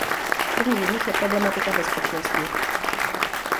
První z nich je problematika bezpečnosti.